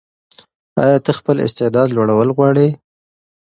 ایا ته خپل استعداد لوړول غواړې؟